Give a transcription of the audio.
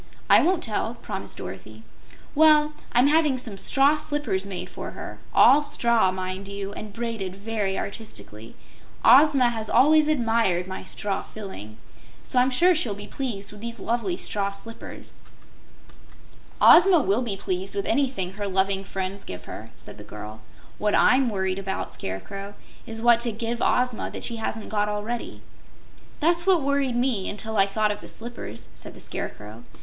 "I won't tell," promised Dorothy. "Well, I'm having some straw slippers made for her all straw, mind you, and braided very artistically. Ozma has always admired my straw filling, so I'm sure she'll be pleased with these lovely straw slippers." "Ozma will be pleased with anything her loving friends give her," said the girl. "What I'M worried about, Scarecrow, is what to give Ozma that she hasn't got already." "That's what worried me, until I thought of the slippers," said the Scarecrow.